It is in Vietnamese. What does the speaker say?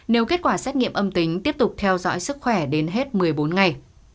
nếu kết quả xét nghiệm âm tính tiếp tục theo dõi sức khỏe đến hết một mươi bốn ngày